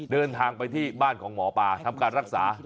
เดินทางไปที่บ้านของหมอปลาทำการรักษา